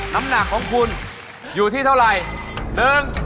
น้ำหนักของคุณอยู่ที่เท่าไหร่